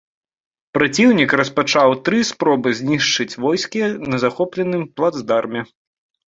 Праціўнік распачаў тры спробы знішчыць войскі на захопленым плацдарме.